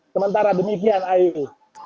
sementara demikian ayo